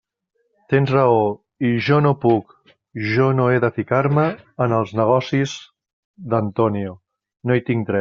Tens raó; i jo no puc, jo no he de ficar-me en els negocis d'Antonio; no hi tinc dret.